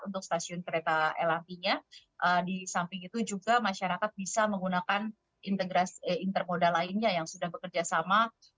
untuk stasiun kereta lrt nya di samping itu juga masyarakat bisa menggunakan intermodal lainnya yang sudah bekerja sama